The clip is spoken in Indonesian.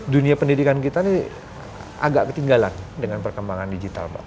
dunia pendidikan kita ini agak ketinggalan dengan perkembangan digital mbak